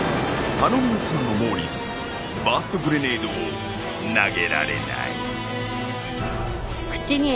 頼みの綱のモーリスバーストグレネードを投げられない。